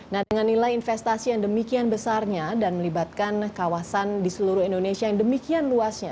nah dengan nilai investasi yang demikian besarnya dan melibatkan kawasan di seluruh indonesia yang demikian luasnya